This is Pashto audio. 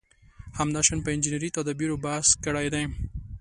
همداشان په انجنیري تدابېرو بحث کړی دی.